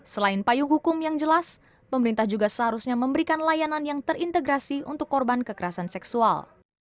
selain payung hukum yang jelas pemerintah juga seharusnya memberikan layanan yang terintegrasi untuk korban kekerasan seksual